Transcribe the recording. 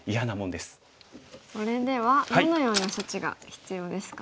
それではどのような処置が必要ですか？